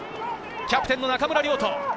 キャプテン・中村亮土。